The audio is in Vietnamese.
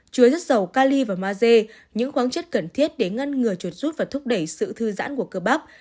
chuối rất giàu cali và maze những khoáng chất cần thiết để ngăn ngừa chuột rút và thúc đẩy sự thư giãn của cơ bắp